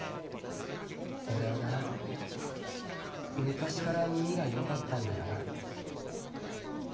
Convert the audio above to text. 昔から耳が良かったんだよな